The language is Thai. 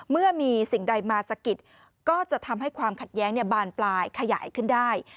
เมื่อมีสิ่งใดมาสะกิดก็จะทำให้ความขัดแย้งบานปลายขยายขึ้นได้